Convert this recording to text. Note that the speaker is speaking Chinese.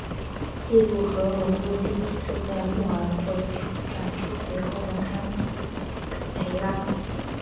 记录和文物第一次在墨尔本展出随后是堪培拉。